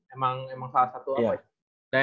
emang salah satu apa ya